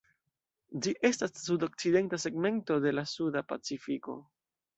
Ĝi estas sudokcidenta segmento de la Suda Pacifiko.